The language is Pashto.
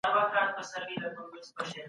خلګ به د خپلو دندو پام ساتي.